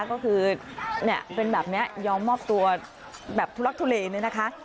ก็คือเป็นแบบนี้ยอมมอบตัวแบบทุลักทุเลเนี่ยนะคะ